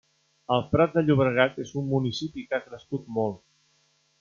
El Prat de Llobregat és un municipi que ha crescut molt.